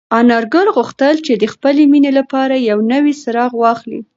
انارګل غوښتل چې د خپلې مېنې لپاره یو نوی څراغ واخلي.